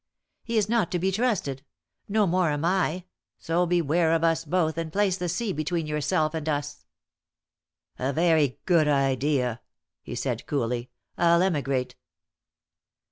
He is not to be trusted no more am I so beware of us both, and place the sea between yourself and us." "A very good idea," he said, coolly. "I'll emigrate."